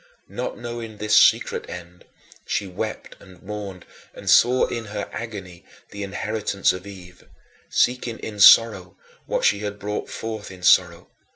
Not knowing this secret end, she wept and mourned and saw in her agony the inheritance of Eve seeking in sorrow what she had brought forth in sorrow.